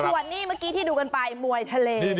เผื่อนี้ที่ดูกัน้อยมวยทะเล